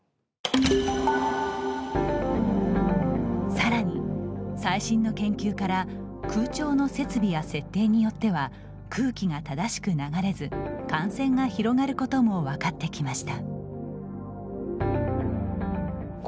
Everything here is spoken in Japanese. さらに、最新の研究から空調の設備や設定によっては空気が正しく流れず感染が広がることも分かってきました。